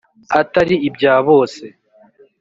atari ibya bose.